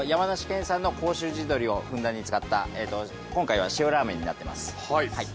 山梨県産の甲州地どりをふんだんに使った今回は塩ラーメンになってます。